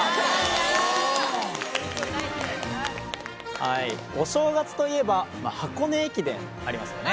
はいお正月といえば箱根駅伝ありますよね。